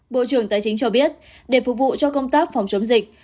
bộ trưởng tài chính cho biết để phục vụ cho công tác phòng chống dịch